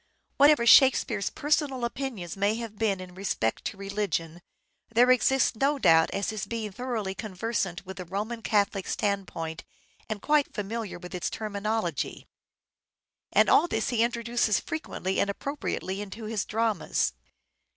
Whatever " Shake speare's " personal opinions may have been in respect to religion, there exists no doubt as to his being thoroughly conversant with the Roman Catholic standpoint and quite familiar with its terminology ; and all this he introduces frequently and appropriately into his dramas.